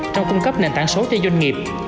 trong cung cấp nền tảng số cho doanh nghiệp